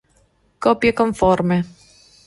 Copie conforme